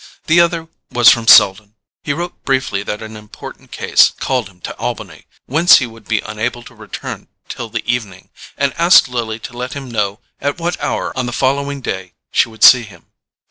The other was from Selden. He wrote briefly that an important case called him to Albany, whence he would be unable to return till the evening, and asked Lily to let him know at what hour on the following day she would see him.